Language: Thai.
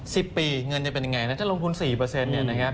สิบปีเงินจะเป็นยังไงถ้าลงทุน๔นะครับ